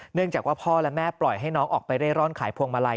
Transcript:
เนื่องจากว่าพ่อและแม่ปล่อยให้น้องออกไปเร่ร่อนขายพวงมาลัย